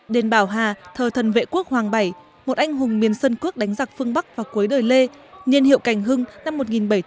đền bảo hà thờ thần vệ quốc hoàng bảy một anh hùng miền sơn quốc đánh giặc phương bắc và cuối đời lê nhiên hiệu cành hưng năm một nghìn bảy trăm bốn mươi một nghìn bảy trăm tám mươi sáu